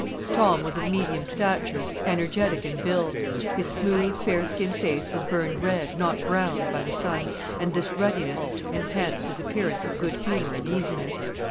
Tom was of medium stature, energetic in build. His smooth, fair skinned face was burned red, not brown, by the sun, and this ruddiness enhanced his appearance of good humour and easiness.